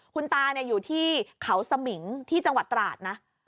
คุณตาอยู่ที่เขาสมิงที่จังหวัดตราดนะ